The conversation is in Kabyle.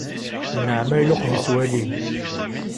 Nnaɛma iluqeb-itt walim.